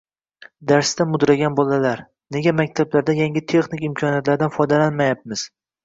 Darsda mudragan bolalar – nega maktablarda yangi texnik imkoniyatlardan foydalanmayapmiz?